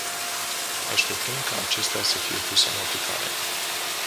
Așteptăm ca acestea să fie puse în aplicare.